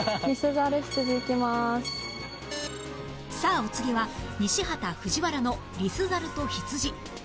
さあお次は西畑・藤原のリスザルとヒツジ